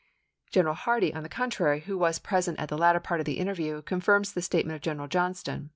General Hardee, on the contrary, who was present at the latter part of the interview, confirms the statement of General Johnston.